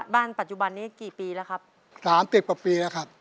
ปัจจุบันนี้กี่ปีแล้วครับสามสิบกว่าปีแล้วครับ